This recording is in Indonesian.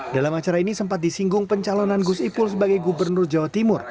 dalam acara ini sempat disinggung pencalonan gus ipul sebagai gubernur jawa timur